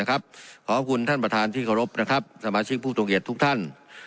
ขอบคุณท่านประธานที่เคารพสมาชิกผู้ตรงเขตทุกท่าน